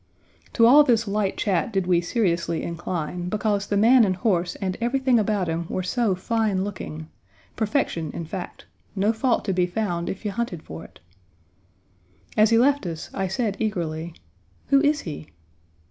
To all this light chat did we seriously incline, because the man and horse and everything about him were so fine looking; perfection, in fact; no fault to be found if you hunted for it. As he left us, I said eagerly, "Who is he?"